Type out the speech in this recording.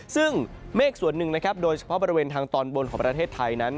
ซึ่งเมฆส่วนหนึ่งนะครับโดยเฉพาะบริเวณทางตอนบนของประเทศไทยนั้น